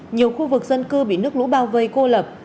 nhiều khu vực dân cư bị nước lũ bao vây cô lập